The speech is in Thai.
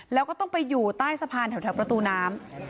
แล้วก็ต้องไปอยู่ใต้สะพานแถวประตูน้ำ